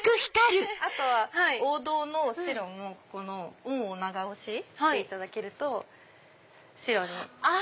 あとは王道の白もオンを長押ししていただけると白に光ります。